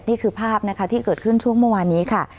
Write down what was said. นี่คือภาพนะคะที่เกิดขึ้นช่วงเมื่อวานนี้ค่ะ